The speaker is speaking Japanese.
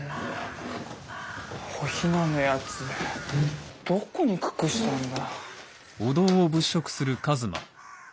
お雛のやつどこに隠したんだ？